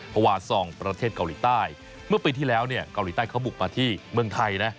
วาซองประเทศเกาหลีใต้เมื่อปีที่แล้วเนี่ยเกาหลีใต้เขาบุกมาที่เมืองไทยนะ